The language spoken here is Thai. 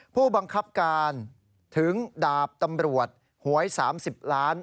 ผู้บังคับการถึงดาบตำรวจหวย๓๐ล้าน